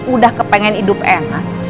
udah kepengen hidup enak